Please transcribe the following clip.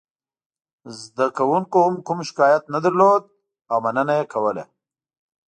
زده کوونکو هم کوم شکایت نه درلود او مننه یې کوله.